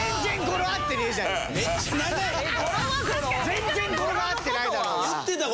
全然語呂が合ってないだろうが！